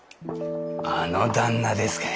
あの旦那ですかい。